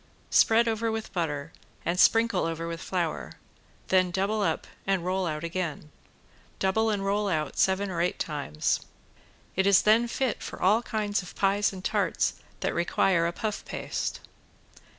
Spread over with butter and sprinkle over with flour, then double up and roll out again. Double and roll out seven or eight times. It is then fit for all kinds of pies and tarts that require a puff paste.